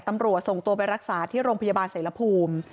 ตำรวจส่งตัวไปรักษาที่โรงพยาบาลเสรภูมิ